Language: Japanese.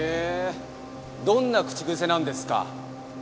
どんな口癖なんですか？